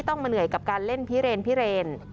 ต้องมาเหนื่อยกับการเล่นพิเรน